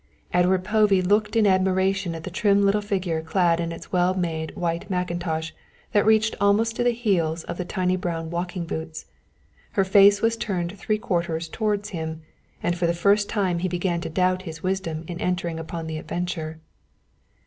Edward Povey looked in admiration at the trim little figure clad in its well made white mackintosh that reached almost to the heels of the tiny brown walking boots. Her face was turned three quarters towards him, and for the first time he began to doubt his wisdom in entering upon the adventure.